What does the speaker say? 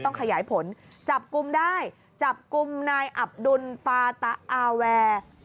ขยายผลจับกลุ่มได้จับกลุ่มนายอับดุลฟาตะอาแวร์